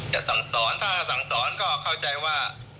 จะสั่งสอนถ้าสั่งสอนก็เข้าใจว่า